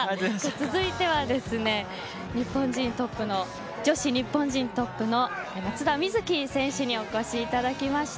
続いては日本人トップの女子日本人トップの松田瑞生選手にお越しいただきました。